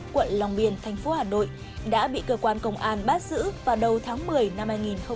quận long biên thành phố hà nội đã bị cơ quan công an bắt giữ vào đầu tháng một mươi năm hai nghìn hai mươi ba